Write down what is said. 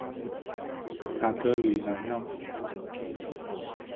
塔德吕兰让。